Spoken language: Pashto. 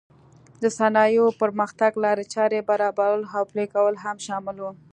د صنایعو پرمختګ لارې چارې برابرول او پلې کول هم شامل و.